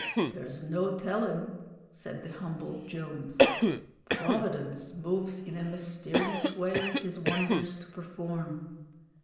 "There's no tellin'," said the humbled Jones. "Providence 'Moves in a mysterious way His wonders to perform.'"